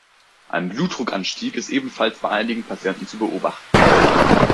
Ein Blutdruckanstieg ist ebenfalls bei einigen Patienten zu beobachten.